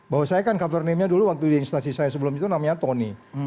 bahwa saya kan cover name nya dulu waktu di instansi saya sebelum itu namanya tony